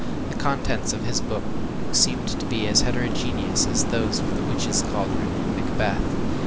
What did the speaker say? ” The contents of his book seemed to be as heterogeneous as those of the witches’ cauldron in Macbeth.